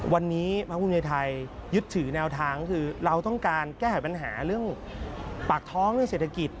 วันนี้พักภูมิใจไทยยึดถือแนวทางคือเราต้องการแก้ไขปัญหาเรื่องปากท้องเรื่องเศรษฐกิจ